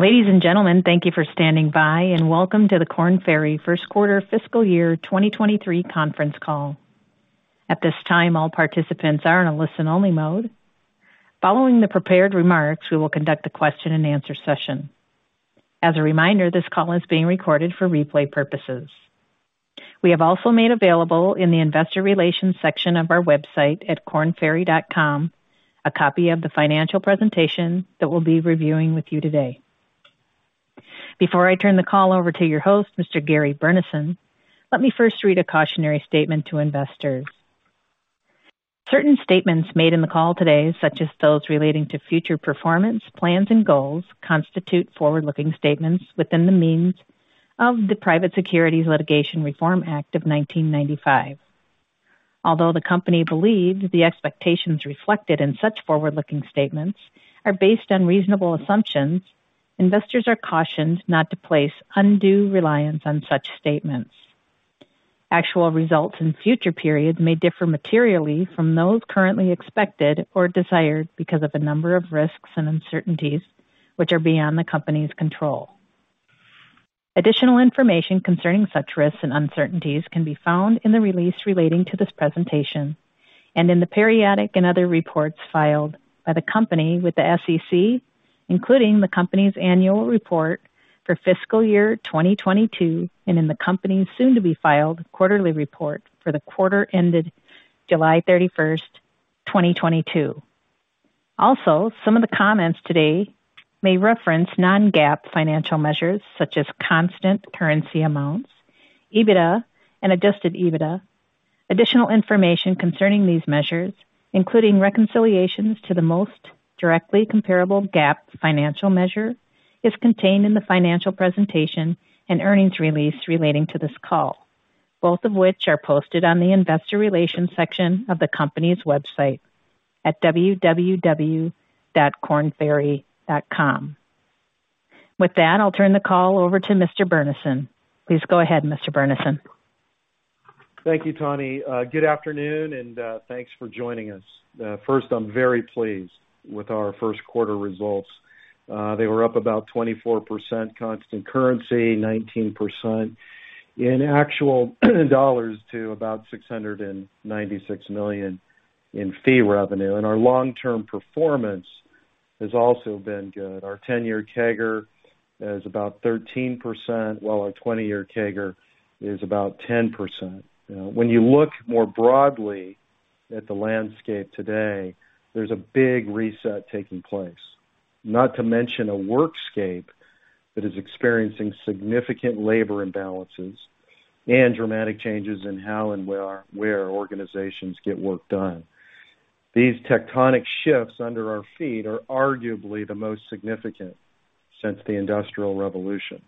Ladies and gentlemen, thank you for standing by, and welcome to the Korn Ferry first quarter fiscal year 2023 conference call. At this time, all participants are in a listen only mode. Following the prepared remarks, we will conduct a question and answer session. As a reminder, this call is being recorded for replay puRPOses. We have also made available in the investor relations section of our website at kornferry.com a copy of the financial presentation that we'll be reviewing with you today. Before I turn the call over to your host, Mr. Gary Burnison, let me first read a cautionary statement to investors. Certain statements made in the call today, such as those relating to future performance, plans and goals, constitute forward-looking statements within the meaning of the Private Securities Litigation Reform Act of 1995. Although the company believes the expectations reflected in such forward-looking statements are based on reasonable assumptions, investors are cautioned not to place undue reliance on such statements. Actual results in future periods may differ materially from those currently expected or desired because of a number of risks and uncertainties which are beyond the company's control. Additional information concerning such risks and uncertainties can be found in the release relating to this presentation and in the periodic and other reports filed by the company with the SEC, including the company's annual report for fiscal year 2022 and in the company's soon to be filed quarterly report for the quarter ended July 31 2022. Also, some of the comments today may reference non-GAAP financial measures such as constant currency amounts, EBITDA and adjusted EBITDA. Additional information concerning these measures, including reconciliations to the most directly comparable GAAP financial measure, is contained in the financial presentation and earnings release relating to this call, both of which are posted on the investor relations section of the company's website at www.kornferry.com. With that, I'll turn the call over to Mr. Burnison. Please go ahead, Mr. Burnison. Thank you, Tawny. Good afternoon and thanks for joining us. First, I'm very pleased with our first quarter results. They were up about 24% constant currency, 19% in actual dollars to about $696 million in fee revenue. Our long-term performance has also been good. Our 10-year CAGR is about 13%, while our 20-year CAGR is about 10%. When you look more broadly at the landscape today, there's a big reset taking place. Not to mention a workscape that is experiencing significant labor imbalances and dramatic changes in how and where organizations get work done. These tectonic shifts under our feet are arguably the most significant since the Industrial Revolution.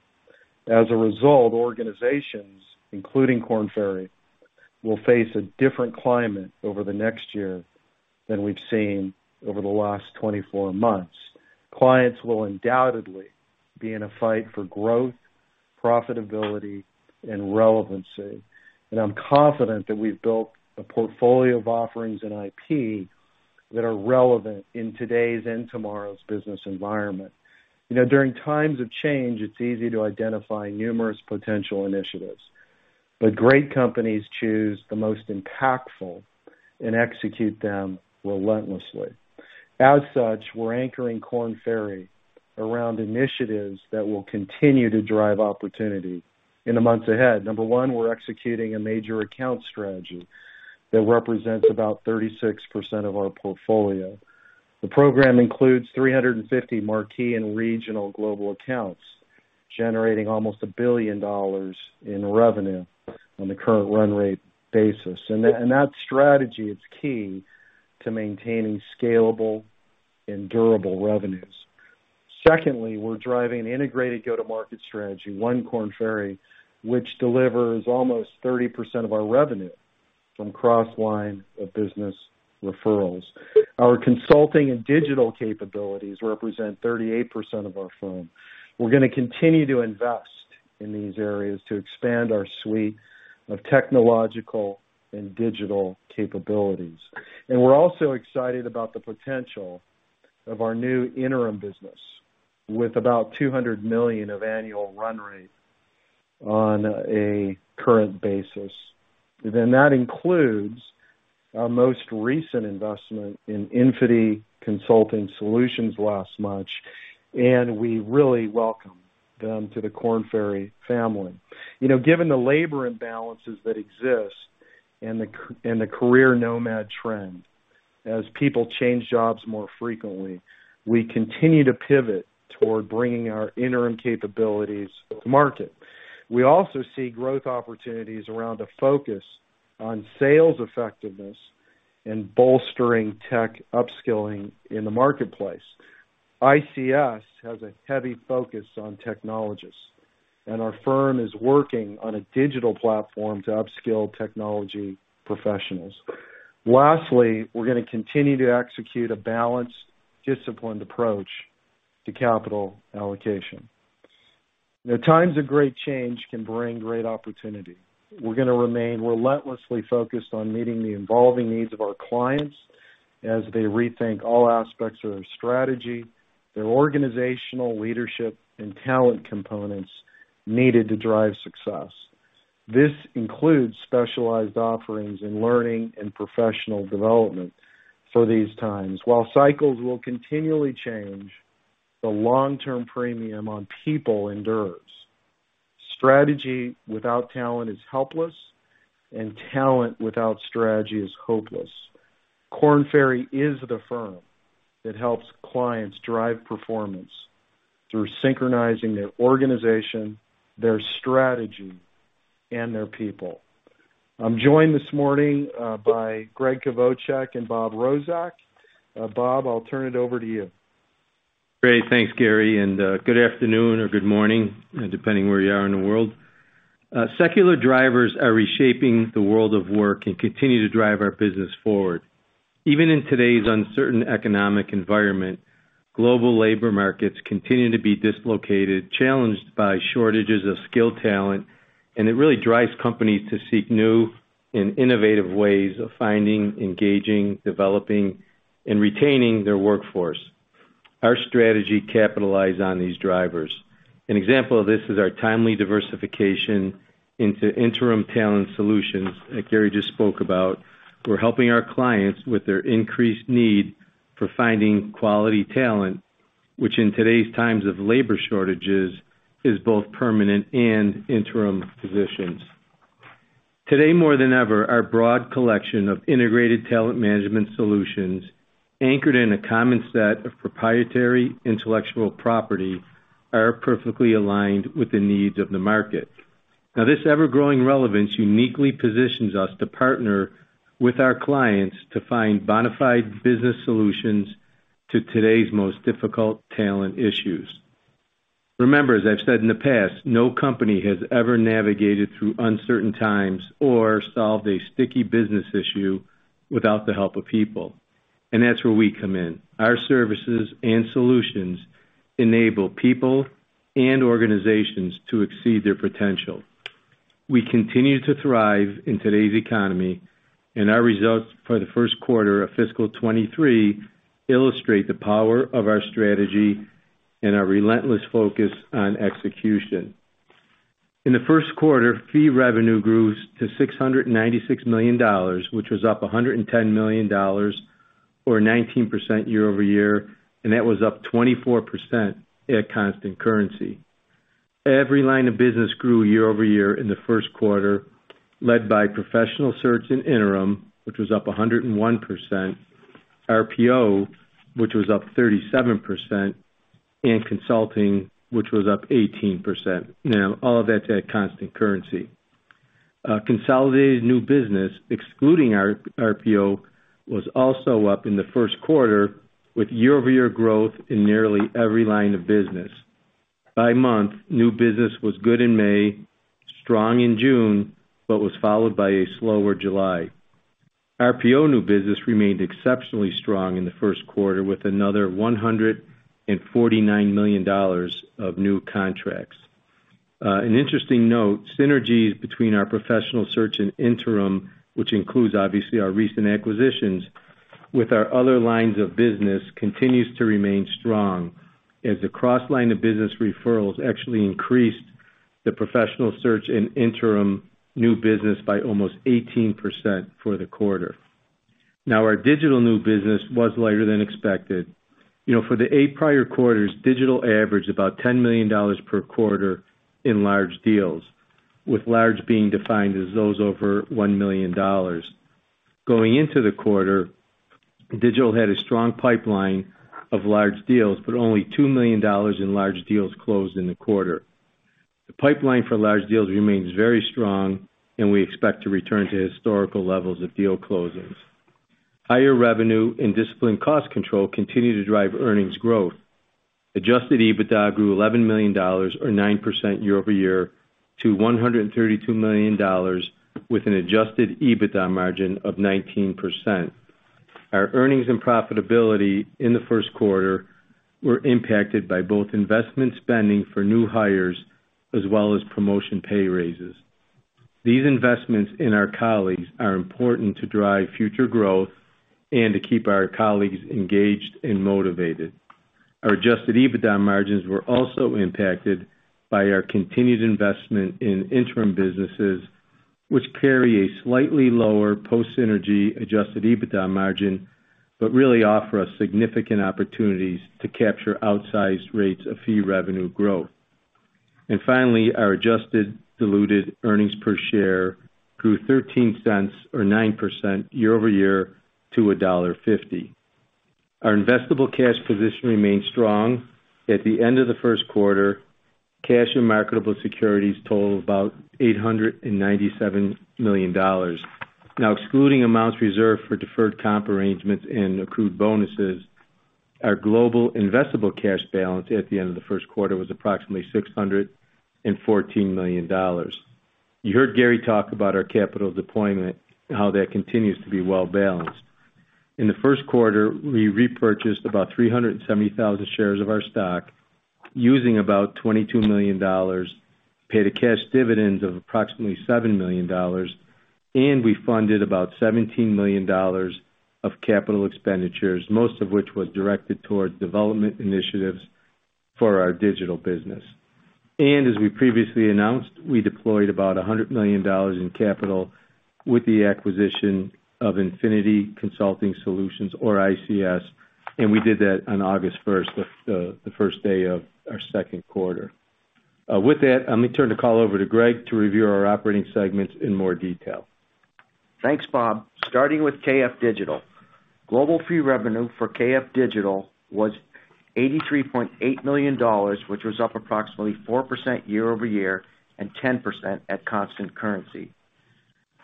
As a result, organizations, including Korn Ferry, will face a different climate over the next year than we've seen over the last 24 months. Clients will undoubtedly be in a fight for growth, profitability, and relevancy, and I'm confident that we've built a portfolio of offerings in IP that are relevant in today's and tomorrow's business environment. You know, during times of change, it's easy to identify numerous potential initiatives. Great companies choose the most impactful and execute them relentlessly. As such, we're anchoring Korn Ferry around initiatives that will continue to drive opportunity in the months ahead. Number one, we're executing a major account strategy that represents about 36% of our portfolio. The program includes 350 marquee and regional global accounts, generating almost $1 billion in revenue on the current run rate basis. That strategy is key to maintaining scalable and durable revenues. Secondly, we're driving an integrated go-to-market strategy, One Korn Ferry, which delivers almost 30% of our revenue from cross-line of business referrals. Our consulting and digital capabilities represent 38% of our firm. We're gonna continue to invest in these areas to expand our suite of technological and digital capabilities. We're also excited about the potential of our new interim business with about $200 million of annual run rate on a current basis. That includes our most recent investment in Infinity Consulting Solutions last March, and we really welcome them to the Korn Ferry family. You know, given the labor imbalances that exist and the career nomad trend, as people change jobs more frequently, we continue to pivot toward bringing our interim capabilities to market. We also see growth opportunities around a focus on sales effectiveness and bolstering tech upskilling in the marketplace. ICS has a heavy focus on technologists, and our firm is working on a digital platform to upskill technology professionals. Lastly, we're gonna continue to execute a balanced, disciplined approach to capital allocation. The times of great change can bring great opportunity. We're gonna remain relentlessly focused on meeting the evolving needs of our clients as they rethink all aspects of their strategy, their organizational leadership and talent components needed to drive success. This includes specialized offerings in learning and professional development for these times. While cycles will continually change, the long-term premium on people endures. Strategy without talent is helpless, and talent without strategy is hopeless. Korn Ferry is the firm that helps clients drive performance through synchronizing their organization, their strategy, and their people. I'm joined this morning by Gregg Kvochak and Bob Rozek. Bob, I'll turn it over to you. Great. Thanks, Gary, and good afternoon or good morning, depending where you are in the world. Secular drivers are reshaping the world of work and continue to drive our business forward. Even in today's uncertain economic environment, global labor markets continue to be dislocated, challenged by shortages of skilled talent, and it really drives companies to seek new and innovative ways of finding, engaging, developing, and retaining their workforce. Our strategy capitalize on these drivers. An example of this is our timely diversification into interim talent solutions that Gary just spoke about. We're helping our clients with their increased need for finding quality talent, which in today's times of labor shortages, is both permanent and interim positions. Today, more than ever, our broad collection of integrated talent management solutions, anchored in a common set of proprietary intellectual property, are perfectly aligned with the needs of the market. Now, this ever-growing relevance uniquely positions us to partner with our clients to find bona fide business solutions to today's most difficult talent issues. Remember, as I've said in the past, no company has ever navigated through uncertain times or solved a sticky business issue without the help of people, and that's where we come in. Our services and solutions enable people and organizations to exceed their potential. We continue to thrive in today's economy, and our results for the first quarter of fiscal 2023 illustrate the power of our strategy and our relentless focus on execution. In the first quarter, fee revenue grew to $696 million, which was up $110 million, or 19% year-over-year, and that was up 24% at constant currency. Every line of business grew year-over-year in the first Professional Search and Interim, which was up 101%, RPO, which was up 37%, and consulting, which was up 18%. Now, all of that's at constant currency. Consolidated new business, excluding our RPO, was also up in the first quarter, with year-over-year growth in nearly every line of business. By month, new business was good in May, strong in June, but was followed by a slower July. RPO new business remained exceptionally strong in the first quarter, with another $149 million of new contracts. An interesting note, Professional Search and Interim, which includes, obviously, our recent acquisitions, with our other lines of business, continues to remain strong as the cross line of business referrals actually increased the professional search in interim new business by almost 18% for the quarter. Now, our digital new business was lighter than expected. You know, for the eight prior quarters, digital averaged about $10 million per quarter in large deals, with large being defined as those over $1 million. Going into the quarter, digital had a strong pipeline of large deals, but only $2 million in large deals closed in the quarter. The pipeline for large deals remains very strong, and we expect to return to historical levels of deal closings. Higher revenue and disciplined cost control continue to drive earnings growth. Adjusted EBITDA grew $11 million or 9% year-over-year to $132 million with an adjusted EBITDA margin of 19%. Our earnings and profitability in the first quarter were impacted by both investment spending for new hires as well as promotion pay raises. These investments in our colleagues are important to drive future growth and to keep our colleagues engaged and motivated. Our adjusted EBITDA margins were also impacted by our continued investment in interim businesses, which carry a slightly lower post synergy adjusted EBITDA margin, but really offer us significant opportunities to capture outsized rates of fee revenue growth. Finally, our adjusted diluted earnings per share grew $0.13 or 9% year-over-year to $1.50. Our investable cash position remains strong. At the end of the first quarter, cash and marketable securities totaled about $897 million. Now, excluding amounts reserved for deferred comp arrangements and accrued bonuses, our global investable cash balance at the end of the first quarter was approximately $614 million. You heard Gary talk about our capital deployment and how that continues to be well balanced. In the first quarter, we repurchased about 370,000 shares of our stock using about $22 million, paid a cash dividend of approximately $7 million, and we funded about $17 million of capital expenditures, most of which was directed towards development initiatives for our digital business. As we previously announced, we deployed about $100 million in capital with the acquisition of Infinity Consulting Solutions or ICS, and we did that on August first, the first day of our second quarter. With that, let me turn the call over to Gregg to review our operating segments in more detail. Thanks, Bob. Starting with KF Digital. Global fee revenue for KF Digital was $83.8 million, which was up approximately 4% year-over-year and 10% at constant currency.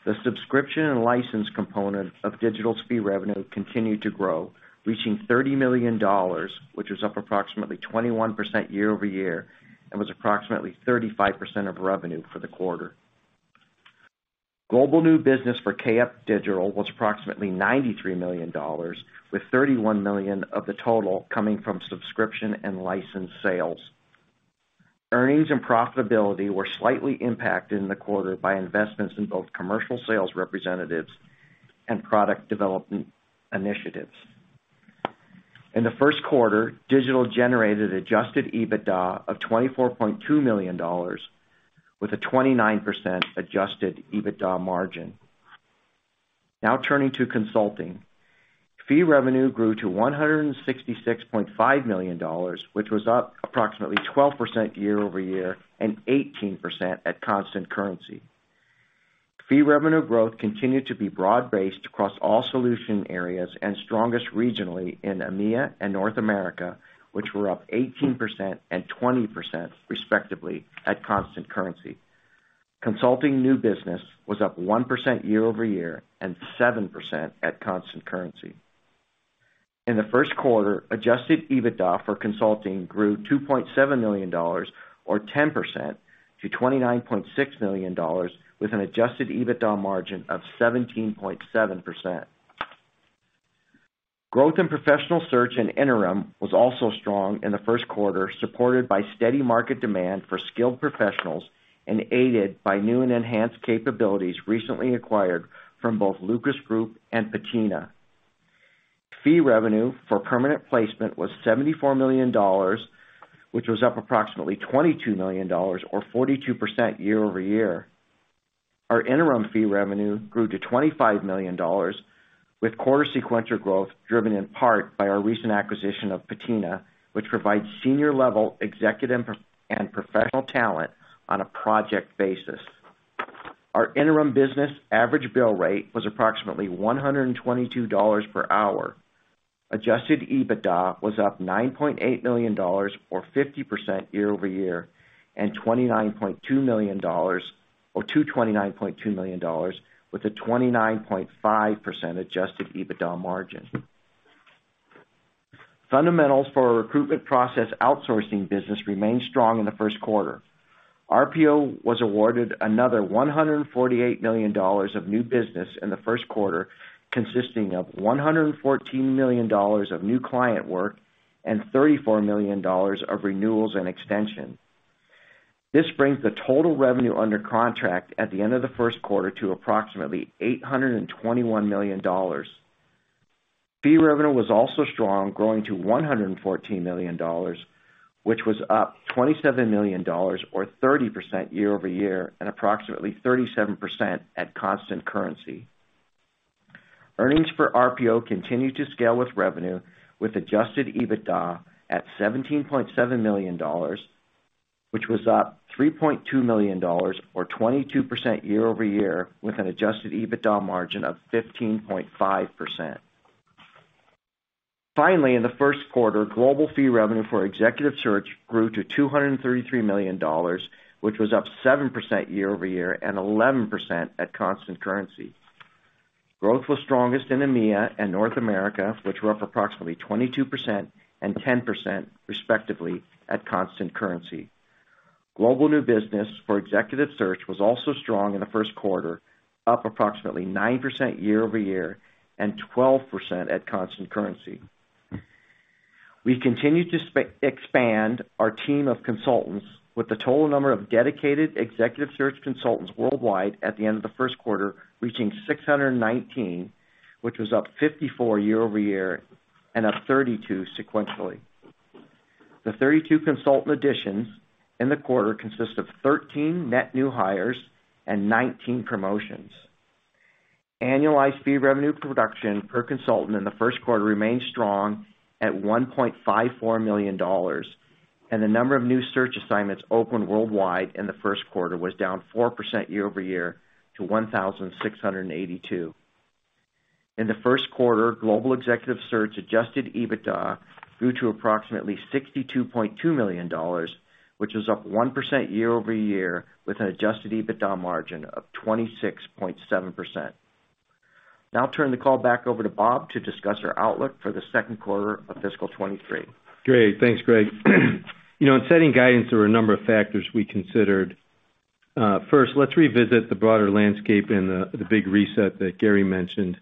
The subscription and license component of Digital's fee revenue continued to grow, reaching $30 million, which was up approximately 21% year-over-year and was approximately 35% of revenue for the quarter. Global new business for KF Digital was approximately $93 million, with $31 million of the total coming from subscription and license sales. Earnings and profitability were slightly impacted in the quarter by investments in both commercial sales representatives and product development initiatives. In the first quarter, Digital generated adjusted EBITDA of $24.2 million with a 29% adjusted EBITDA margin. Now turning to consulting. Fee revenue grew to $166.5 million, which was up approximately 12% year-over-year and 18% at constant currency. Fee revenue growth continued to be broad-based across all solution areas and strongest regionally in EMEA and North America, which were up 18% and 20%, respectively, at constant currency. Consulting new business was up 1% year-over-year and 7% at constant currency. In the first quarter, adjusted EBITDA for consulting grew $2.7 million or 10% to $29.6 million with an adjusted EBITDA margin of Professional Search and Interim was also strong in the first quarter, supported by steady market demand for skilled professionals and aided by new and enhanced capabilities recently acquired from both Lucas Group and Patina. Fee revenue for permanent placement was $74 million, which was up approximately $22 million or 42% year-over-year. Our interim fee revenue grew to $25 million, with quarter sequential growth driven in part by our recent acquisition of Patina, which provides senior-level executive and professional talent on a project basis. Our interim business average bill rate was approximately $122 per hour. Adjusted EBITDA was up $9.8 million or 50% year-over-year, and $29.2 million with a 29.5% adjusted EBITDA margin. Fundamentals for our recruitment process outsourcing business remained strong in the first quarter. RPO was awarded another $148 million of new business in the first quarter, consisting of $114 million of new client work and $34 million of renewals and extension. This brings the total revenue under contract at the end of the first quarter to approximately $821 million. Fee revenue was also strong, growing to $114 million, which was up $27 million or 30% year-over-year and approximately 37% at constant currency. Earnings for RPO continued to scale with revenue, with adjusted EBITDA at $17.7 million, which was up $3.2 million or 22% year-over-year, with an adjusted EBITDA margin of 15.5%. Finally, in the first quarter, global fee revenue for executive search grew to $233 million, which was up 7% year-over-year and 11% at constant currency. Growth was strongest in EMEA and North America, which were up approximately 22% and 10%, respectively, at constant currency. Global new business for executive search was also strong in the first quarter, up approximately 9% year-over-year and 12% at constant currency. We continued to expand our team of consultants with the total number of dedicated executive search consultants worldwide at the end of the first quarter, reaching 619, which was up 54 year-over-year and up 32 sequentially. The 32 consultant additions in the quarter consist of 13 net new hires and 19 promotions. Annualized fee revenue production per consultant in the first quarter remained strong at $1.54 million, and the number of new search assignments opened worldwide in the first quarter was down 4% year-over-year to 1,682. In the first quarter, global executive search adjusted EBITDA grew to approximately $62.2 million, which was up 1% year-over-year with an adjusted EBITDA margin of 26.7%. Now I'll turn the call back over to Bob to discuss our outlook for the second quarter of fiscal 2023. Great. Thanks, Gregg. You know, in setting guidance, there were a number of factors we considered. First, let's revisit the broader landscape and the big reset that Gary mentioned.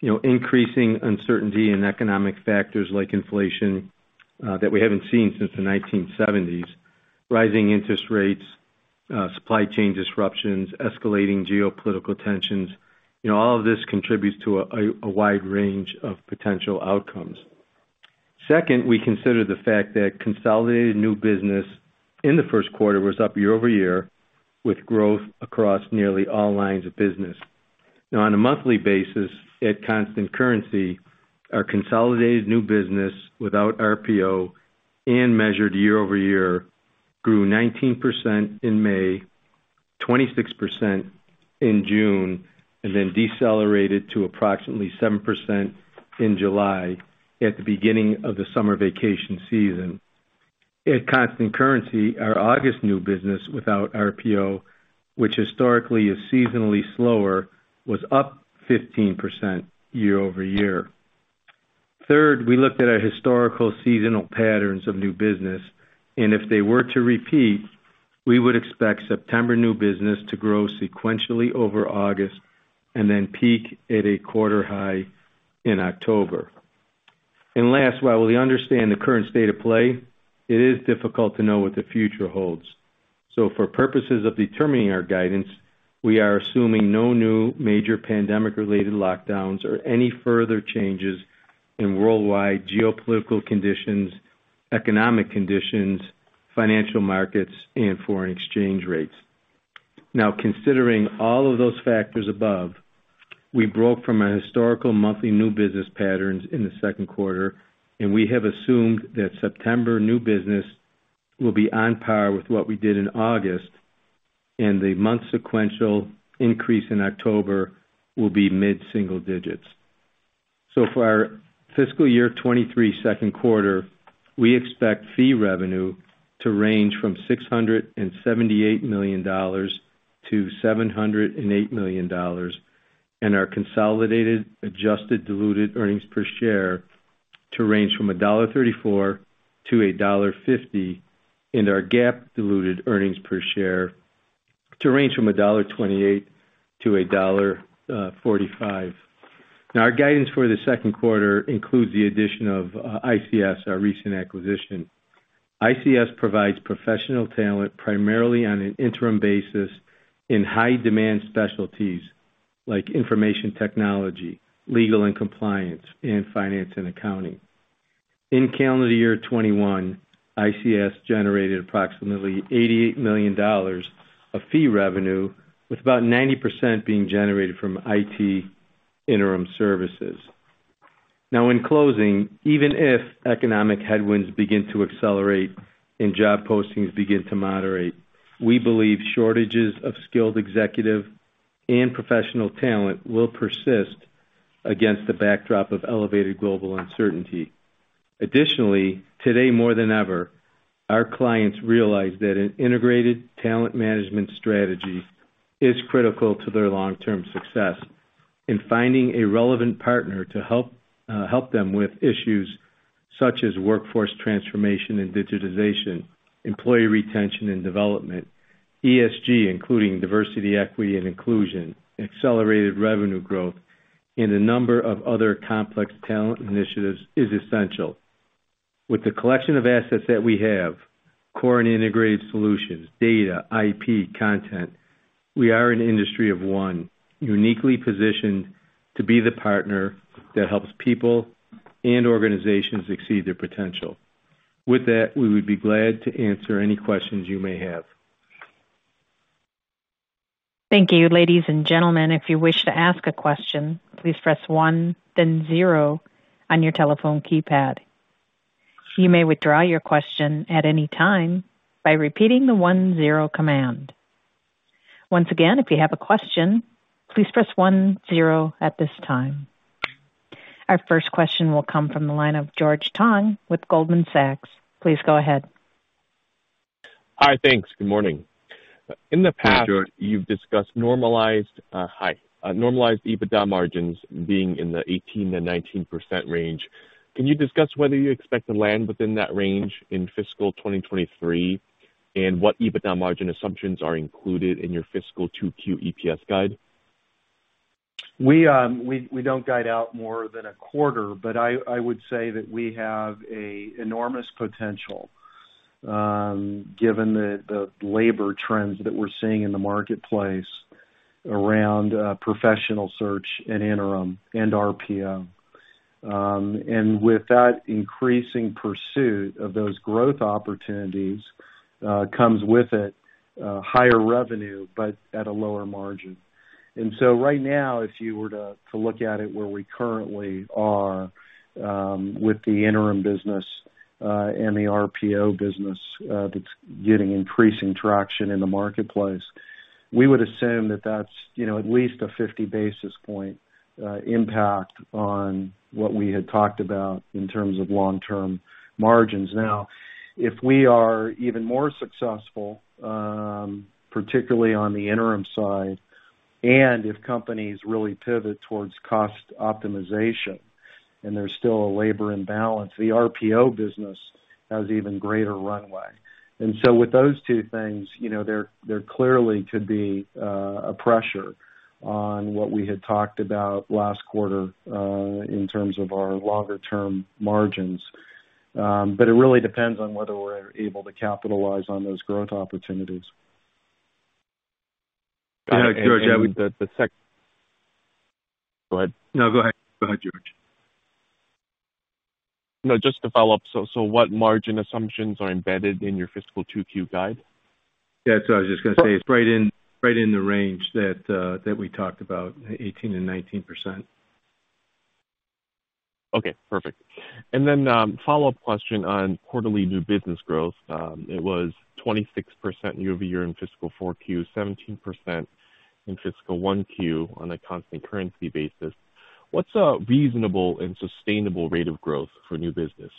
You know, increasing uncertainty in economic factors like inflation that we haven't seen since the 1970s, rising interest rates, supply chain disruptions, escalating geopolitical tensions. You know, all of this contributes to a wide range of potential outcomes. Second, we consider the fact that consolidated new business in the first quarter was up year-over-year with growth across nearly all lines of business. Now, on a monthly basis, at constant currency, our consolidated new business without RPO and measured year-over-year grew 19% in May, 26% in June, and then decelerated to approximately 7% in July at the beginning of the summer vacation season. At constant currency, our August new business without RPO, which historically is seasonally slower, was up 15% year-over-year. Third, we looked at our historical seasonal patterns of new business, and if they were to repeat, we would expect September new business to grow sequentially over August and then peak at a quarter high in October. Last, while we understand the current state of play, it is difficult to know what the future holds. For puRPOses of determining our guidance, we are assuming no new major pandemic-related lockdowns or any further changes in worldwide geopolitical conditions, economic conditions, financial markets, and foreign exchange rates. Considering all of those factors above, we broke from our historical monthly new business patterns in the second quarter, and we have assumed that September new business will be on par with what we did in August, and the month sequential increase in October will be mid-single digits. For our fiscal year 2023 second quarter, we expect fee revenue to range from $678 million-$708 million and our consolidated adjusted diluted earnings per share to range from $1.34-$1.50, and our GAAP diluted earnings per share to range from $1.28-$1.45. Now our guidance for the second quarter includes the addition of ICS, our recent acquisition. ICS provides professional talent primarily on an interim basis in high demand specialties like information technology, legal and compliance, and finance and accounting. In calendar year 2021, ICS generated approximately $88 million of fee revenue, with about 90% being generated from IT interim services. Now, in closing, even if economic headwinds begin to accelerate and job postings begin to moderate, we believe shortages of skilled executive and professional talent will persist against the backdrop of elevated global uncertainty. Additionally, today more than ever, our clients realize that an integrated talent management strategy is critical to their long-term success in finding a relevant partner to help them with issues such as workforce transformation and digitization, employee retention and development, ESG, including diversity, equity, and inclusion, accelerated revenue growth, and a number of other complex talent initiatives is essential. With the collection of assets that we have, core and integrated solutions, data, IP, content, we are an industry of one, uniquely positioned to be the partner that helps people and organizations exceed their potential. With that, we would be glad to answer any questions you may have. Thank you. Ladies and gentlemen, if you wish to ask a question, please press one then zero on your telephone keypad. You may withdraw your question at any time by repeating the one zero command. Once again, if you have a question, please press one zero at this time. Our first question will come from the line of George Tong with Goldman Sachs. Please go ahead. Hi. Thanks. Good morning. Hey, George. In the past, you've discussed normalized EBITDA margins being in the 18%-19% range. Can you discuss whether you expect to land within that range in fiscal 2023? What EBITDA margin assumptions are included in your fiscal 2Q EPS guide? We don't guide out more than a quarter, but I would say that we have an enormous potential, given the labor trends that we're seeing in Professional Search and Interim and RPO. with that increasing pursuit of those growth opportunities comes with it higher revenue, but at a lower margin. Right now, if you were to look at it where we currently are, with the interim business and the RPO business that's getting increasing traction in the marketplace, we would assume that that's you know at least a 50 basis points impact on what we had talked about in terms of long-term margins. Now, if we are even more successful, particularly on the interim side. If companies really pivot towards cost optimization and there's still a labor imbalance, the RPO business has even greater runway. With those two things, you know, there clearly could be a pressure on what we had talked about last quarter in terms of our longer-term margins. It really depends on whether we're able to capitalize on those growth opportunities. Yeah, George, I would- Go ahead. No, go ahead. Go ahead, George. No, just to follow up. What margin assumptions are embedded in your fiscal 2Q guide? Yeah. I was just gonna say it's right in the range that we talked about, 18%-19%. Okay, perfect. Follow-up question on quarterly new business growth. It was 26% year-over-year in fiscal 4Q, 17% in fiscal 1Q on a constant currency basis. What's a reasonable and sustainable rate of growth for new business?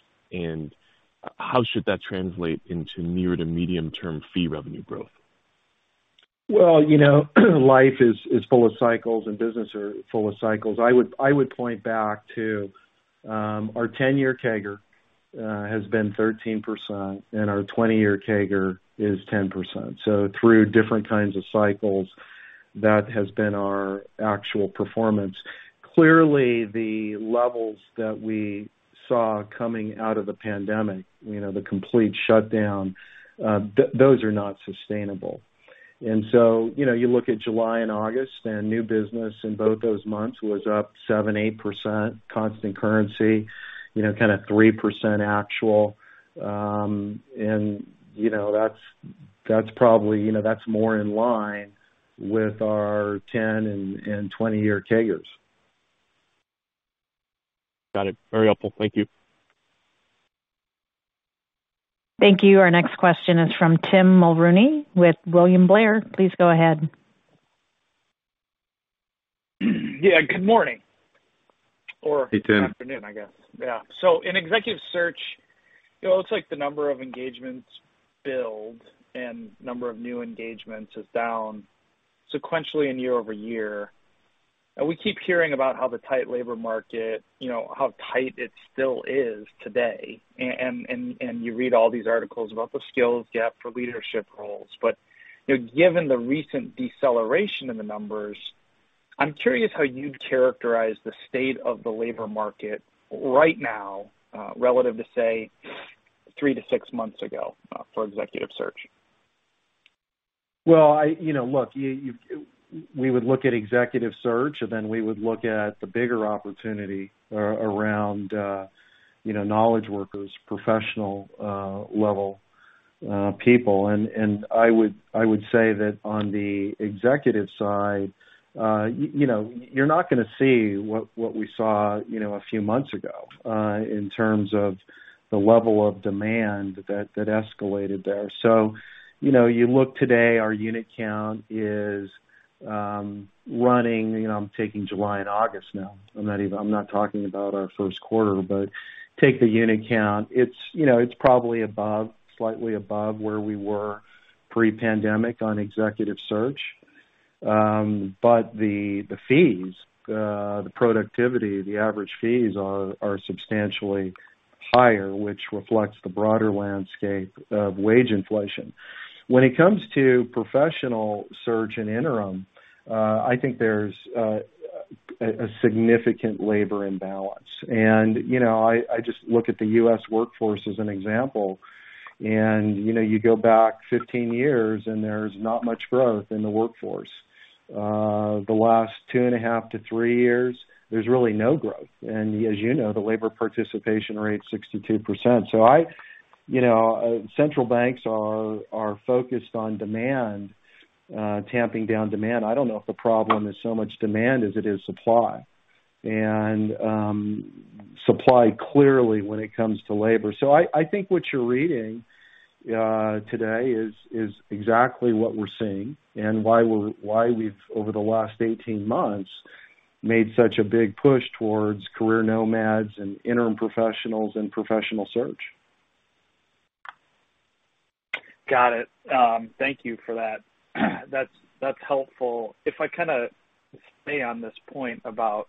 How should that translate into near- to medium-term fee revenue growth? Well, you know, life is full of cycles and business are full of cycles. I would point back to our 10-year CAGR has been 13% and our 20-year CAGR is 10%. Through different kinds of cycles, that has been our actual performance. Clearly, the levels that we saw coming out of the pandemic, you know, the complete shutdown, those are not sustainable. You know, you look at July and August, and new business in both those months was up 7-8% constant currency, you know, kinda 3% actual. You know, that's probably, you know, that's more in line with our 10 and 20-year CAGRs. Got it. Very helpful. Thank you. Thank you. Our next question is from Tim Mulrooney with William Blair. Please go ahead. Yeah, good morning. Hey, Tim. Afternoon, I guess. Yeah. In executive search, you know, it looks like the number of engagements billed and number of new engagements is down sequentially and year-over-year. We keep hearing about how the tight labor market, you know, how tight it still is today. You read all these articles about the skills gap for leadership roles. You know, given the recent deceleration in the numbers, I'm curious how you'd characterize the state of the labor market right now, relative to, say, three to six months ago, for executive search. Well, you know, look, we would look at executive search, and then we would look at the bigger opportunity around, you know, knowledge workers, professional level people. I would say that on the executive side, you know, you're not gonna see what we saw, you know, a few months ago, in terms of the level of demand that escalated there. You know, you look today, our unit count is running. You know, I'm taking July and August now. I'm not talking about our first quarter. But take the unit count, it's, you know, probably slightly above where we were pre-pandemic on executive search. But the fees, the productivity, the average fees are substantially higher, which reflects the broader landscape of wage inflation. When Professional Search and Interim, i think there's a significant labor imbalance. You know, I just look at the U.S. workforce as an example. You know, you go back 15 years, and there's not much growth in the workforce. The last two and a half to three years, there's really no growth. As you know, the labor participation rate's 62%. You know, central banks are focused on demand, tamping down demand. I don't know if the problem is so much demand as it is supply. Supply clearly when it comes to labor. I think what you're reading today is exactly what we're seeing and why we've over the last 18 months made such a big push towards career nomads and interim professionals and professional search. Got it. Thank you for that. That's helpful. If I kinda stay on this point about,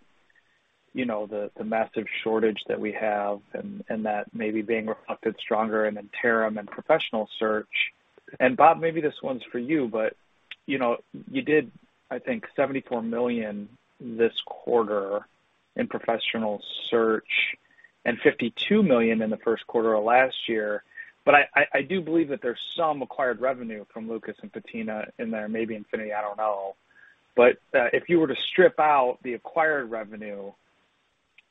you know, the massive shortage that we have and that maybe being reflected stronger in interim and professional search. Bob, maybe this one's for you, but you know, you did, I think, $74 million this quarter in professional search and $52 million in the first quarter of last year. I do believe that there's some acquired revenue from Lucas and Patina in there, maybe Infinity, I don't know. If you were to strip out the acquired revenue,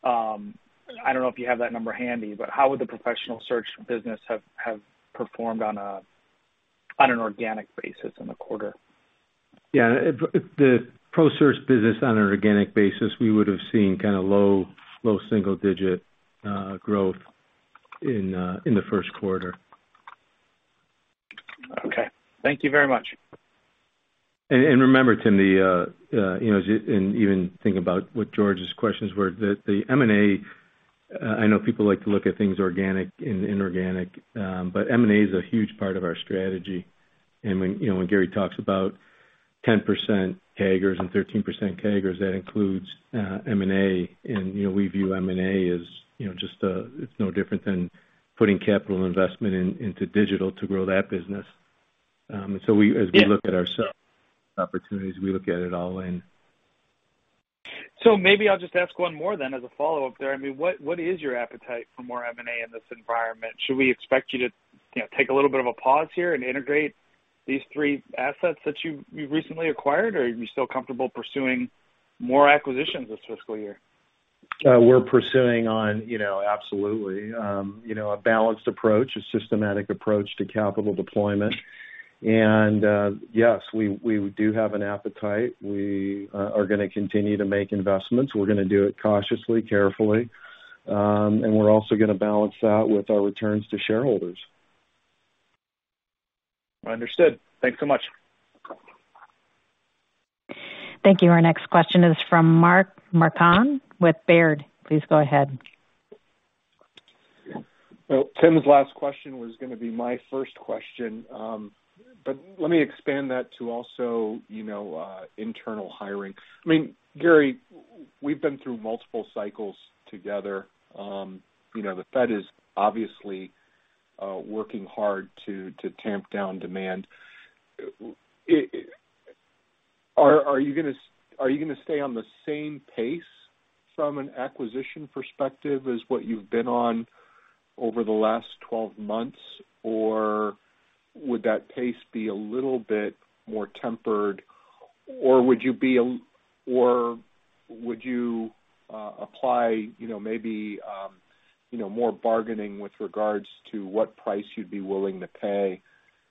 I don't know if you have that number handy, but how would the professional search business have performed on an organic basis in the quarter? Yeah. If the pro search business on an organic basis, we would have seen kinda low single digit growth in the first quarter. Okay. Thank you very much. Remember, Tim, you know, as you and even think about what George's questions were, the M&A. I know people like to look at things organic and inorganic, but M&A is a huge part of our strategy. When, you know, when Gary talks about 10% CAGRs and 13% CAGRs, that includes M&A. You know, we view M&A as, you know, just, it's no different than putting capital investment into digital to grow that business. Yeah. As we look at opportunities, we look at it all in. Maybe I'll just ask one more then as a follow-up there. I mean, what is your appetite for more M&A in this environment? Should we expect you to, you know, take a little bit of a pause here and integrate these three assets that you've recently acquired, or are you still comfortable pursuing more acquisitions this fiscal year? We're pursuing on, you know, absolutely, you know, a balanced approach, a systematic approach to capital deployment. Yes, we do have an appetite. We are gonna continue to make investments. We're gonna do it cautiously, carefully, and we're also gonna balance that with our returns to shareholders. Understood. Thanks so much. Thank you. Our next question is from Mark Marcon with Baird. Please go ahead. Well, Tim's last question was gonna be my first question. Let me expand that to also, you know, internal hiring. I mean, Gary, we've been through multiple cycles together. You know, the Fed is obviously working hard to tamp down demand. Are you gonna stay on the same pace from an acquisition perspective as what you've been on over the last 12 months, or would that pace be a little bit more tempered? Or would you apply, you know, maybe, you know, more bargaining with regards to what price you'd be willing to pay,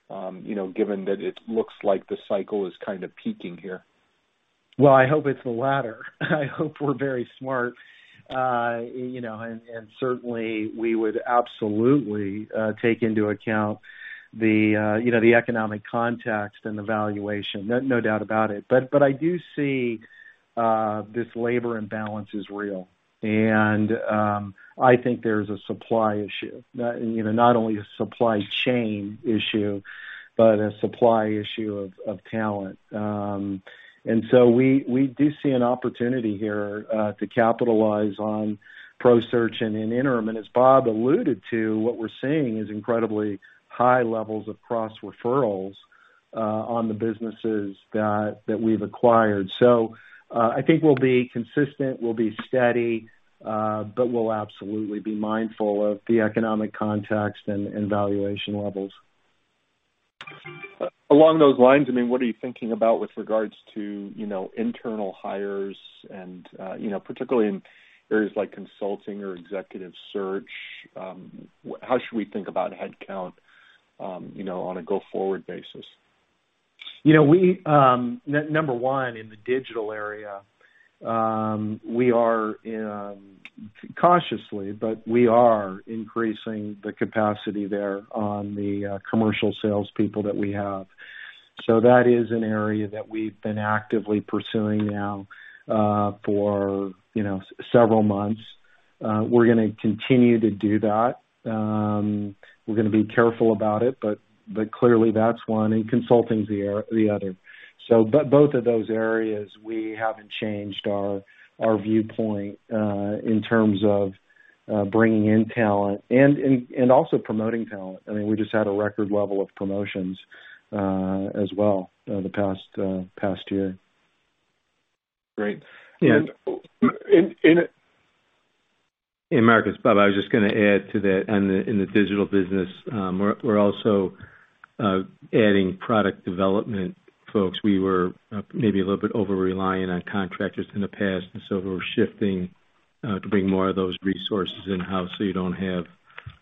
you know, given that it looks like the cycle is kind of peaking here? Well, I hope it's the latter. I hope we're very smart. Certainly we would absolutely take into account the economic context and the valuation. No doubt about it. I do see this labor imbalance is real. I think there's a supply issue. Not only a supply chain issue, but a supply issue of talent. We do see an opportunity here to capitalize on Pro Search and Interim and as Bob alluded to, what we're seeing is incredibly high levels of cross referrals on the businesses that we've acquired. I think we'll be consistent. We'll be steady, but we'll absolutely be mindful of the economic context and valuation levels. Along those lines, I mean, what are you thinking about with regards to, you know, internal hires and, you know, particularly in areas like consulting or executive search, you know, on a go-forward basis? You know, number one, in the digital area, we are cautiously, but we are increasing the capacity there on the commercial salespeople that we have. That is an area that we've been actively pursuing now for, you know, several months. We're gonna continue to do that. We're gonna be careful about it, but clearly that's one, and consulting's the other. Both of those areas, we haven't changed our viewpoint in terms of bringing in talent and also promoting talent. I mean, we just had a record level of promotions as well, the past year. Great. Yeah. And in- Hey, Mark, it's Bob. I was just gonna add to that. On the, in the digital business, we're also adding product development folks. We were maybe a little bit over-reliant on contractors in the past, and so we're shifting to bring more of those resources in-house so you don't have,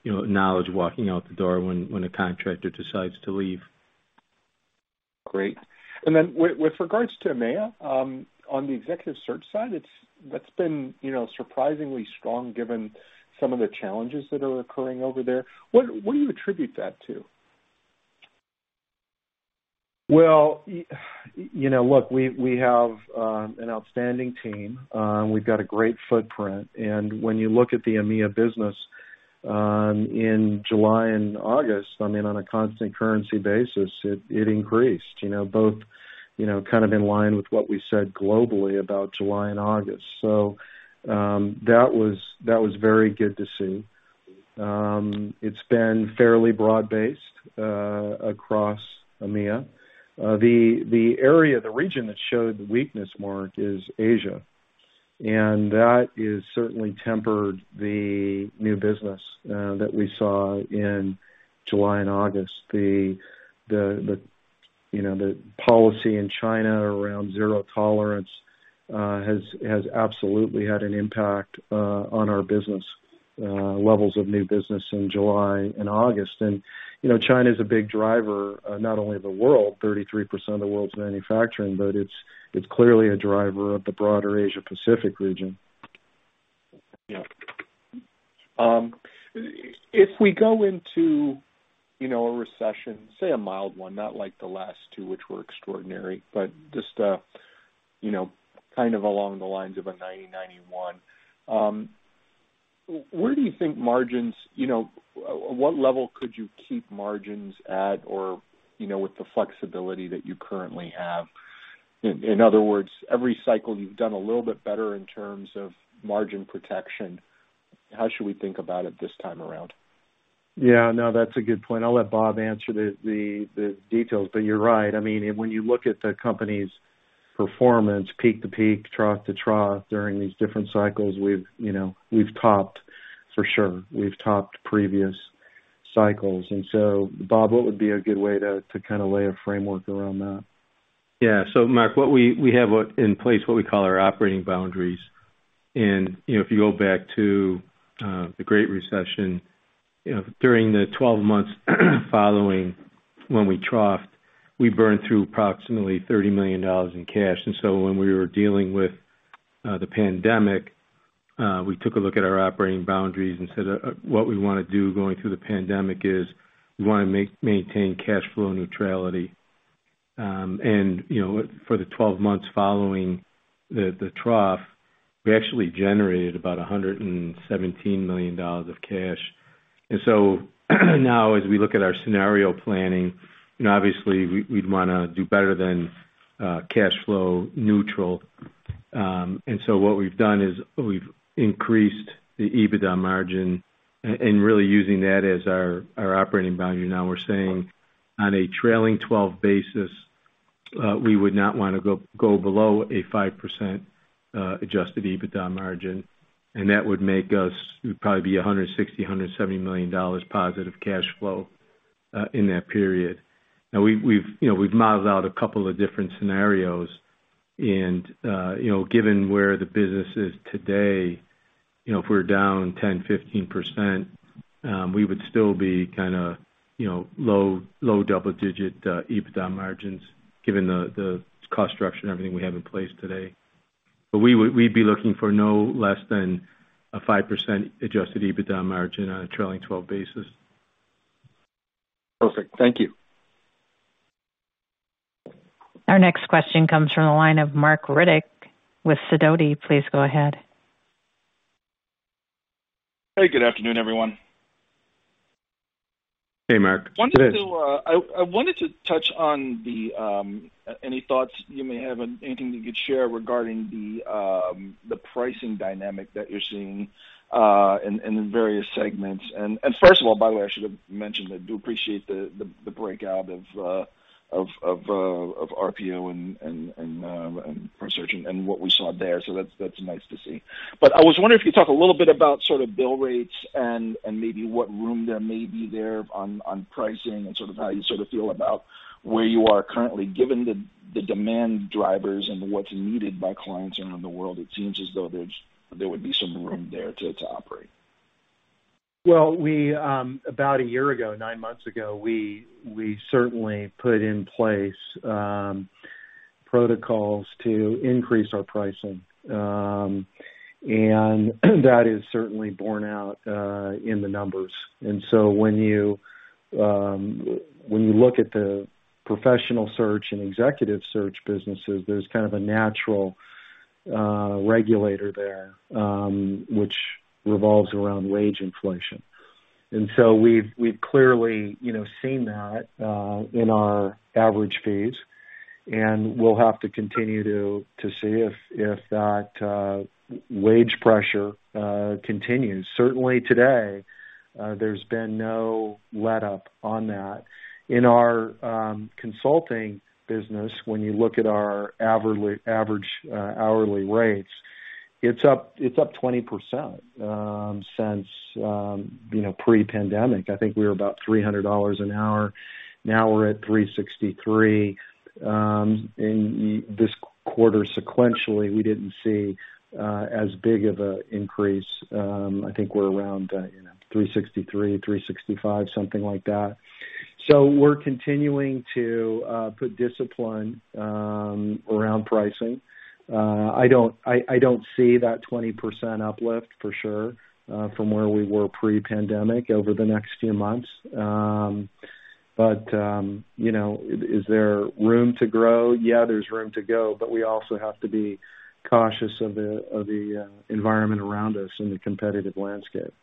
you know, knowledge walking out the door when a contractor decides to leave. Great. With regards to EMEA, on the executive search side, that's been, you know, surprisingly strong given some of the challenges that are occurring over there. What do you attribute that to? Well, you know, look, we have an outstanding team. We've got a great footprint. When you look at the EMEA business in July and August, I mean, on a constant currency basis, it increased, you know. Both you know, kind of in line with what we said globally about July and August. That was very good to see. It's been fairly broad-based across EMEA. The area, the region that showed weakness, Mark, is Asia. That has certainly tempered the new business that we saw in July and August. The policy in China around zero tolerance has absolutely had an impact on our business levels of new business in July and August. You know, China's a big driver, not only of the world, 33% of the world's manufacturing, but it's clearly a driver of the broader Asia Pacific region. Yeah. If we go into, you know, a recession, say a mild one, not like the last two, which were extraordinary, but just, you know, kind of along the lines of a 90/91. Where do you think margins, you know, what level could you keep margins at or, you know, with the flexibility that you currently have? In other words, every cycle you've done a little bit better in terms of margin protection. How should we think about it this time around? Yeah, no, that's a good point. I'll let Bob answer the details. You're right. I mean, when you look at the company's performance, peak to peak, trough to trough, during these different cycles, you know, we've topped for sure. We've topped previous cycles. Bob, what would be a good way to kind of lay a framework around that? Yeah. Mark, what we have in place what we call our operating boundaries. You know, if you go back to the great recession, you know, during the 12 months following when we troughed, we burned through approximately $30 million in cash. When we were dealing with the pandemic, we took a look at our operating boundaries and said, "What we wanna do going through the pandemic is we wanna maintain cash flow neutrality." You know, for the 12 months following the trough, we actually generated about $117 million of cash. Now as we look at our scenario planning, you know, obviously we'd wanna do better than cash flow neutral. What we've done is we've increased the EBITDA margin and really using that as our operating value. Now we're saying on a trailing twelve basis, we would not wanna go below a 5% adjusted EBITDA margin, and that would make us probably be $160 million-$170 million positive cash flow in that period. Now we've you know, we've modeled out a couple of different scenarios and you know, given where the business is today, you know, if we're down 10%-15%, we would still be kinda you know, low double-digit EBITDA margins given the cost structure and everything we have in place today. We'd be looking for no less than a 5% adjusted EBITDA margin on a trailing twelve basis. Perfect. Thank you. Our next question comes from the line of Marc Riddick with SIDOTI. Please go ahead. Hey, good afternoon, everyone. Hey, Marc. Good day. I wanted to touch on the any thoughts you may have and anything you could share regarding the pricing dynamic that you're seeing in the various segments. First of all, by the way, I should have mentioned, I do appreciate the breakout of RPO and for Search and what we saw there. So that's nice to see. I was wondering if you talk a little bit about sort of bill rates and maybe what room there may be there on pricing and sort of how you sort of feel about where you are currently given the demand drivers and what's needed by clients around the world. It seems as though there would be some room there to operate. Well, we about a year ago, nine months ago, we certainly put in place protocols to increase our pricing. That is certainly borne out in the numbers. When you look at the professional search and executive search businesses, there's kind of a natural regulator there, which revolves around wage inflation. We've clearly, you know, seen that in our average fees, and we'll have to continue to see if that wage pressure continues. Certainly today, there's been no letup on that. In our consulting business, when you look at our average hourly rates, it's up 20%, since, you know, pre-pandemic. I think we were about $300 an hour. Now we're at $363. In this quarter sequentially, we didn't see as big of an increase. I think we're around, you know, $363-$365, something like that. We're continuing to put discipline around pricing. I don't see that 20% uplift for sure from where we were pre-pandemic over the next few months. You know, is there room to grow? Yeah, there's room to grow, but we also have to be cautious of the environment around us and the competitive landscape.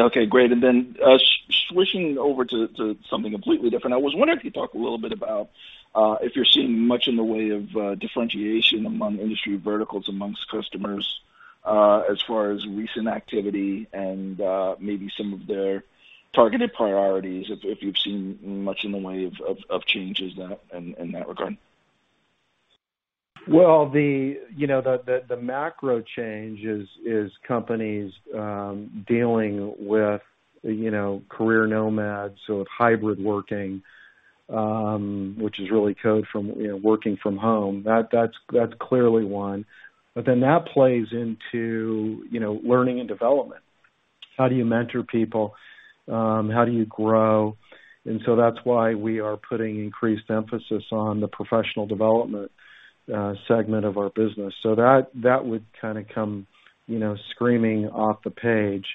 Okay, great. Switching over to something completely different. I was wondering if you could talk a little bit about if you're seeing much in the way of differentiation among industry verticals among customers as far as recent activity and maybe some of their targeted priorities, if you've seen much in the way of changes in that regard? The macro change is companies dealing with, you know, career nomads or hybrid working, which is really code for, you know, working from home. That's clearly one. That plays into, you know, learning and development. How do you mentor people? How do you grow? That's why we are putting increased emphasis on the professional development segment of our business. That would kind of come, you know, screaming off the page.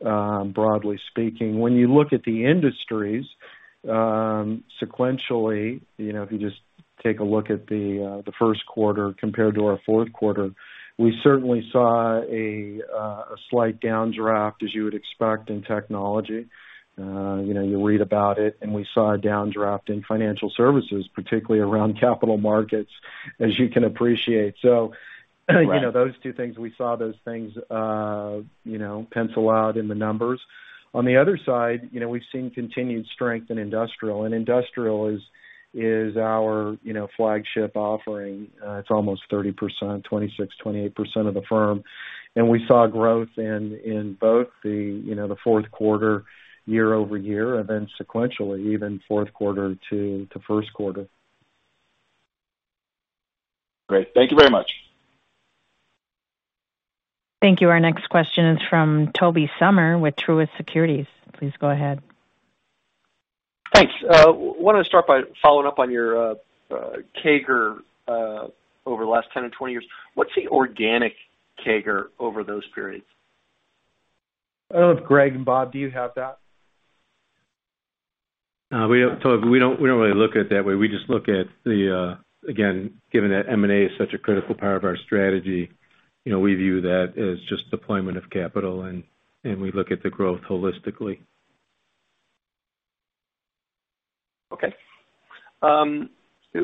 Broadly speaking, when you look at the industries, sequentially, you know, if you just take a look at the first quarter compared to our fourth quarter, we certainly saw a slight downdraft, as you would expect in technology. You know, you read about it, and we saw a downdraft in financial services, particularly around capital markets, as you can appreciate. Right. You know, those two things, we saw those things, you know, pencil out in the numbers. On the other side, you know, we've seen continued strength in industrial, and industrial is our, you know, flagship offering. It's almost 30%, 26%,28% of the firm. We saw growth in both, you know, the fourth quarter year-over-year and then sequentially even fourth quarter to first quarter. Great. Thank you very much. Thank you. Our next question is from Tobey Sommer with Truist Securities. Please go ahead. Thanks. Wanted to start by following up on your CAGR over the last 10-20 years. What's the organic CAGR over those periods? I don't know if Gregg and Bob, do you have that? Toby, we don't really look at it that way. We just look at it again, given that M&A is such a critical part of our strategy, you know, we view that as just deployment of capital, and we look at the growth holistically. Okay.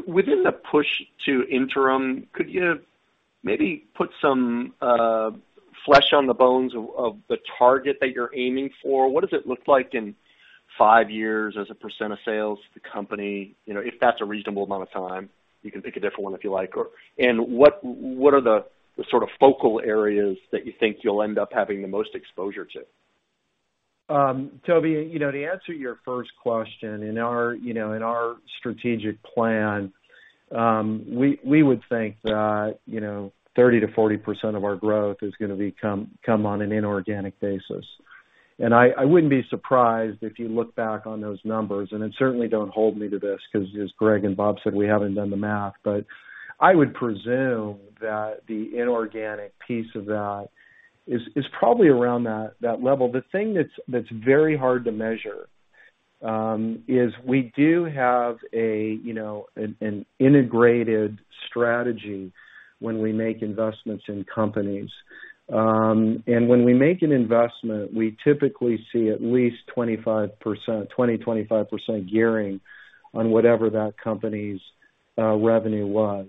Within the push to interim, could you maybe put some flesh on the bones of the target that you're aiming for? What does it look like in five years as a percent of sales, the company, you know, if that's a reasonable amount of time? You can pick a different one if you like. What are the sort of focal areas that you think you'll end up having the most exposure to? Toby, you know, to answer your first question, in our strategic plan, we would think that, you know, 30%-40% of our growth is gonna come on an inorganic basis. I wouldn't be surprised if you look back on those numbers, and then certainly don't hold me to this because as Gregg and Bob said, we haven't done the math, but I would presume that the inorganic piece of that is probably around that level. The thing that's very hard to measure is we do have a, you know, an integrated strategy when we make investments in companies. When we make an investment, we typically see at least 25% gearing on whatever that company's revenue was.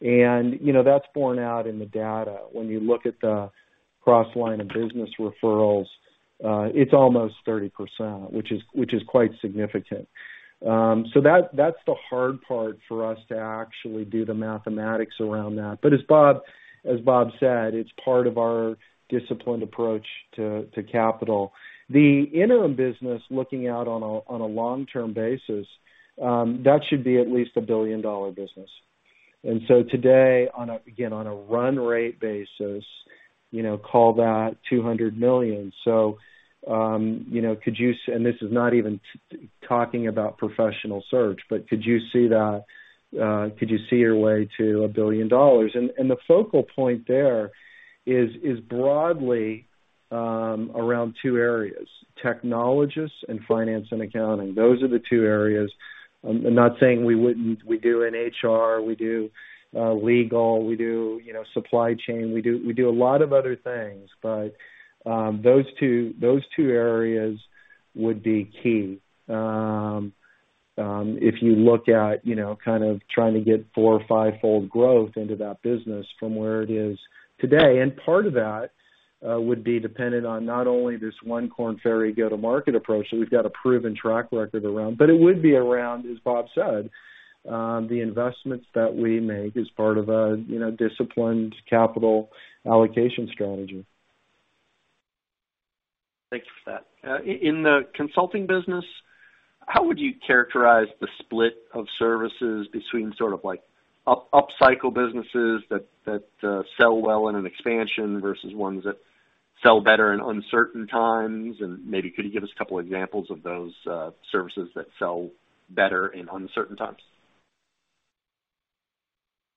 You know, that's borne out in the data. When you look at the cross-line of business referrals, it's almost 30%, which is quite significant. That's the hard part for us to actually do the mathematics around that. As Bob said, it's part of our disciplined approach to capital. The interim business looking out on a long-term basis, that should be at least a billion-dollar business. Today, on a run rate basis, you know, call that $200 million. This is not even talking about professional search. Could you see your way to $1 billion? The focal point there is broadly around two areas, technologists and finance and accounting. Those are the two areas. I'm not saying we wouldn't. We do an HR, we do legal, you know, supply chain. We do a lot of other things, but those two areas would be key if you look at, you know, kind of trying to get four or five-fold growth into that business from where it is today. Part of that would be dependent on not only this one Korn Ferry go-to-market approach that we've got a proven track record around, but it would be around, as Bob said, the investments that we make as part of a, you know, disciplined capital allocation strategy. Thank you for that. In the consulting business, how would you characterize the split of services between sort of like upcycle businesses that sell well in an expansion versus ones that sell better in uncertain times? Maybe could you give us a couple examples of those services that sell better in uncertain times?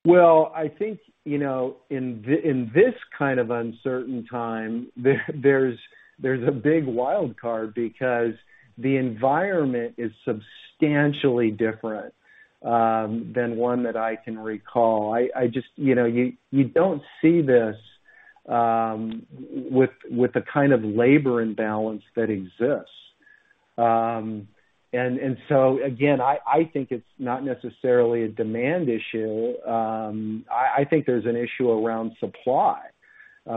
Well, I think, you know, in this kind of uncertain time, there's a big wild card because the environment is substantially different than one that I can recall. I just, you know, you don't see this with the kind of labor imbalance that exists. Again, I think it's not necessarily a demand issue. I think there's an issue around supply,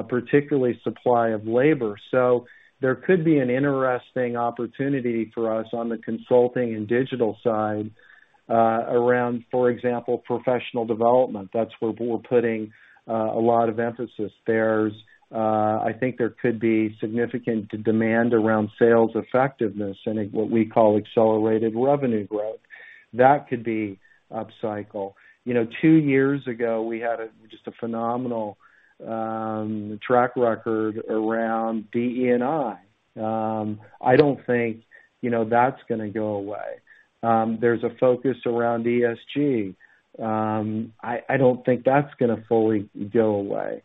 particularly supply of labor. There could be an interesting opportunity for us on the consulting and digital side, around, for example, professional development. That's where we're putting a lot of emphasis. I think there could be significant demand around sales effectiveness and what we call accelerated revenue growth. That could be upcycle. You know, two years ago, we had just a phenomenal track record around DE&I. I don't think, you know, that's gonna go away. There's a focus around ESG. I don't think that's gonna fully go away.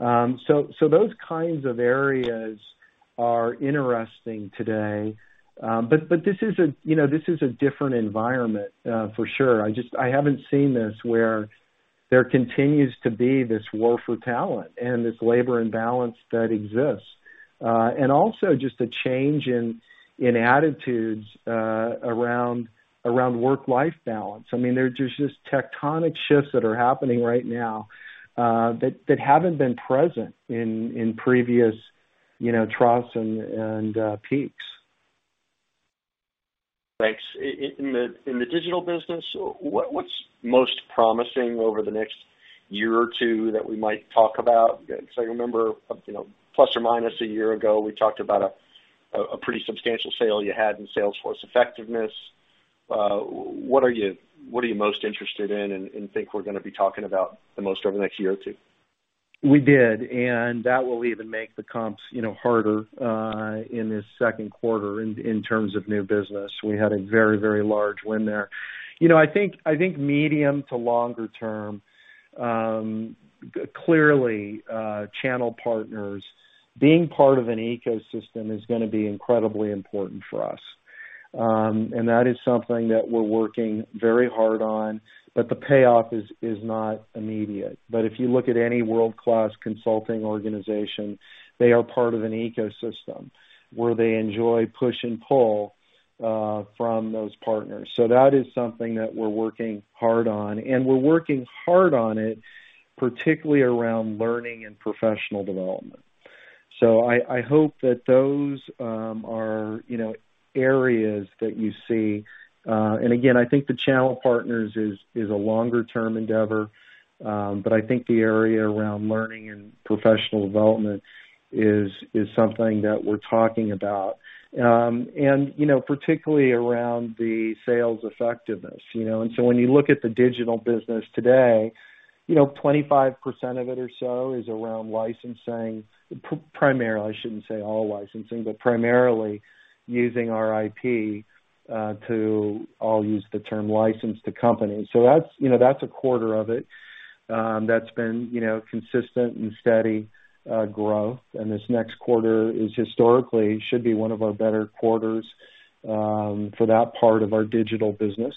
So those kinds of areas are interesting today. But this is a different environment, for sure. I haven't seen this where there continues to be this war for talent and this labor imbalance that exists. And also just a change in attitudes around work-life balance. I mean, there's just tectonic shifts that are happening right now, that haven't been present in previous troughs and peaks. Thanks. In the digital business, what's most promising over the next year or two that we might talk about? Because I remember, you know, plus or minus a year ago, we talked about a pretty substantial sale you had in Salesforce effectiveness. What are you most interested in and think we're gonna be talking about the most over the next year or two? We did. That will even make the comps, you know, harder in this second quarter in terms of new business. We had a very, very large win there. You know, I think medium to longer term, clearly, channel partners, being part of an ecosystem is gonna be incredibly important for us. That is something that we're working very hard on, but the payoff is not immediate. If you look at any world-class consulting organization, they are part of an ecosystem where they enjoy push and pull from those partners. That is something that we're working hard on, and we're working hard on it, particularly around learning and professional development. I hope that those are, you know, areas that you see. Again, I think the channel partners is a longer-term endeavor. I think the area around learning and professional development is something that we're talking about. You know, particularly around the sales effectiveness. You know, when you look at the digital business today, you know, 25% of it or so is around licensing, primarily. I shouldn't say all licensing, but primarily using our IT to, I'll use the term license to company. So that's, you know, that's a quarter of it, that's been, you know, consistent and steady growth. This next quarter is historically should be one of our better quarters for that part of our digital business.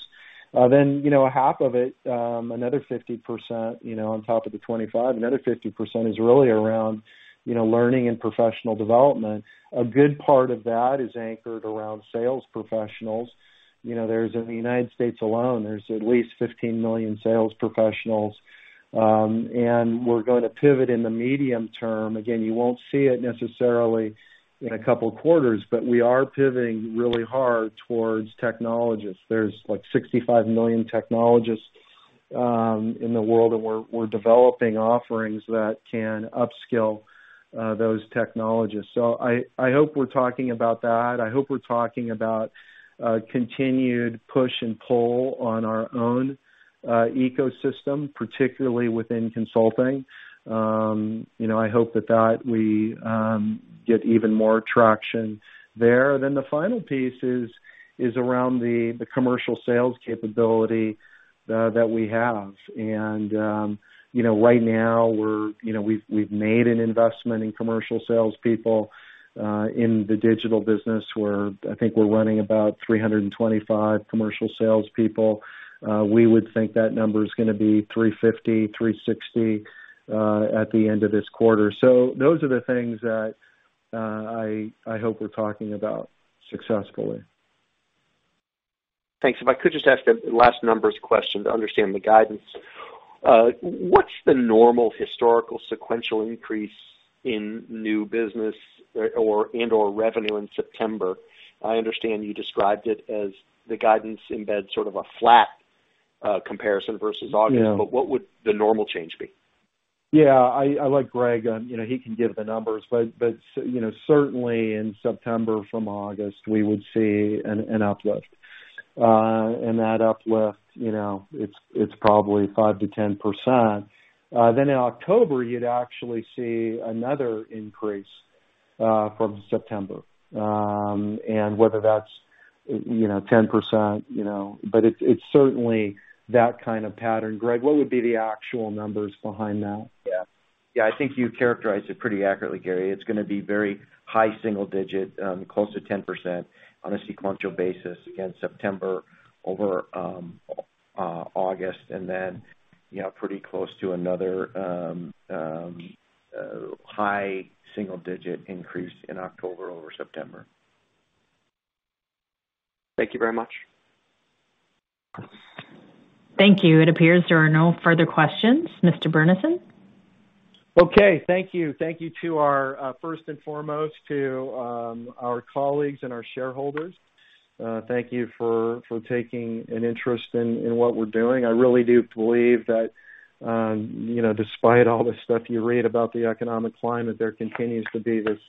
You know, half of it, another 50%, you know, on top of the 25%, another 50% is really around, you know, learning and professional development. A good part of that is anchored around sales professionals. You know, there's in the United States alone at least 15 million sales professionals. We're gonna pivot in the medium term. Again, you won't see it necessarily in a couple of quarters, but we are pivoting really hard towards technologists. There's like 65 million technologists in the world, and we're developing offerings that can upskill those technologists. I hope we're talking about that. I hope we're talking about continued push and pull on our own ecosystem, particularly within consulting. You know, I hope that we get even more traction there. The final piece is around the commercial sales capability that we have. You know, right now, you know, we've made an investment in commercial sales people in the digital business. I think we're running about 325 commercial sales people. We would think that number is gonna be 350-360 at the end of this quarter. Those are the things that I hope we're talking about successfully. Thanks. If I could just ask the last numbers question to understand the guidance. What's the normal historical sequential increase in new business and/or revenue in September? I understand you described it as the guidance embeds sort of a flat comparison versus August. Yeah. What would the normal change be? Yeah. I like Gregg. You know, he can give the numbers. You know, certainly in September from August, we would see an uplift. That uplift, you know, it's probably 5%-10%. In October, you'd actually see another increase from September. Whether that's you know, 10%, you know, but it's certainly that kind of pattern. Gregg, what would be the actual numbers behind that? Yeah. I think you characterized it pretty accurately, Gary. It's gonna be very high single digit close to 10% on a sequential basis against September over August, and then, you know, pretty close to another high single digit increase in October over September. Thank you very much. Thank you. It appears there are no further questions. Mr. Burnison? Okay. Thank you to our first and foremost to our colleagues and our shareholders. Thank you for taking an interest in what we're doing. I really do believe that you know, despite all the stuff you read about the economic climate, there continues to be this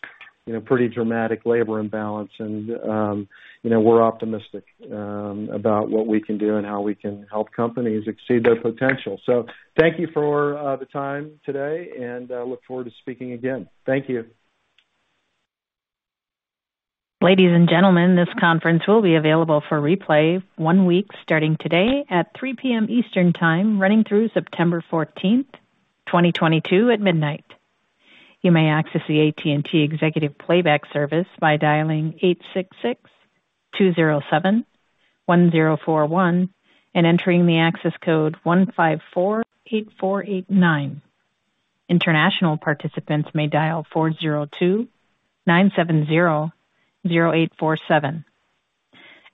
you know, pretty dramatic labor imbalance. You know, we're optimistic about what we can do and how we can help companies exceed their potential. Thank you for the time today, and I look forward to speaking again. Thank you. Ladies and gentlemen, this conference will be available for replay one week starting today at 3:00 P.M. Eastern time running through September 14, 2022 at midnight. You may access the AT&T Executive Playback service by dialing 866-207-1041 and entering the access code 1548489. International participants may dial 402-970-0847.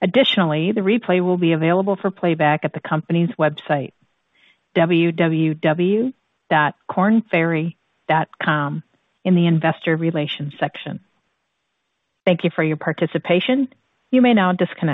Additionally, the replay will be available for playback at the company's website, www.kornferry.com in the investor relations section. Thank you for your participation. You may now disconnect.